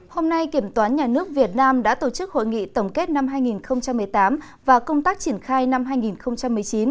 hôm nay kiểm toán nhà nước việt nam đã tổ chức hội nghị tổng kết năm hai nghìn một mươi tám và công tác triển khai năm hai nghìn một mươi chín